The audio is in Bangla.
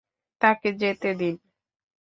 তাকে যেতে দিন।